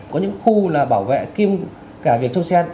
có những khu là bảo vệ kiêm cả việc trong xe